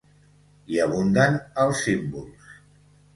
Hi abunden els símbols.